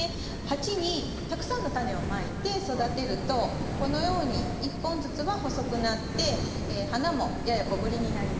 鉢にたくさんのタネをまいて育てるとこのように１本ずつは細くなって花もやや小ぶりになります。